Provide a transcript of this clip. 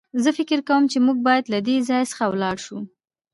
زه فکر کوم چې موږ بايد له دې ځای څخه ولاړ شو.